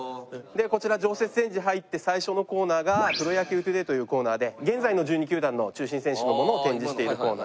でこちら常設展示入って最初のコーナーがプロ野球ＴＯＤＡＹというコーナーで現在の１２球団の中心選手のものを展示しているコーナー。